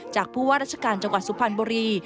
ผู้ว่าราชการจังหวัดสุพรรณบุรี